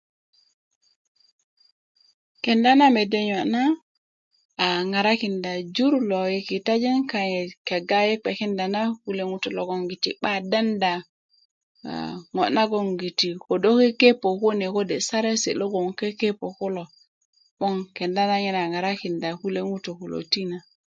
kenda na mede niyo na a ŋarakinda na jur lo i kitajin kayit kegá i gbekin na kule ŋutú loŋ giti 'bak dendá aa ŋo naŋ giti kodó kepó kune kode saresi logó kodó kekepó kuló 'bok kenda na nye na ŋarakinda kule ŋutú kuló tina